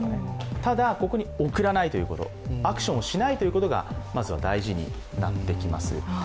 ただ、ここに送らないということ、アクションをしないということがまずは大事になってきます。